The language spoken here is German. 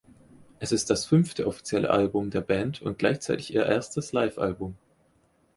Es ist das fünfte offizielle Album der Band und gleichzeitig ihr erstes Live-Album.